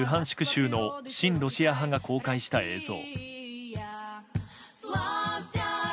州の親ロシア派が公開した映像。